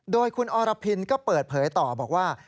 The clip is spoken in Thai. โดยคุณอรพินก็เปิดเผยต่อบอกว่า